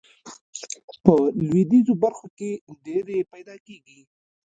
په لویدیځو برخو کې ډیرې پیداکیږي.